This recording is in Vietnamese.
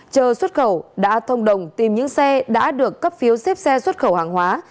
chờ xuất khẩu đã thông đồng tìm những xe đã được cấp phiếu xếp xe xuất khẩu hàng hóa